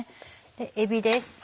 えびです。